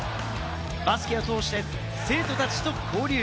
バスケを通して生徒たちと交流。